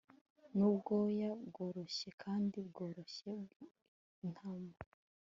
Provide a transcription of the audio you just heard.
Nubwoya bworoshye kandi bworoshye bwintama